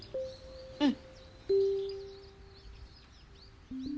うん。